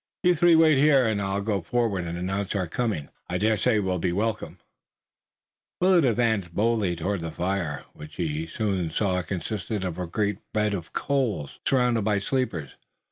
You three wait here and I'll go forward and announce our coming. I dare say we'll be welcome." Willet advanced boldly toward the fire, which he soon saw consisted of a great bed of coals, surrounded by sleepers.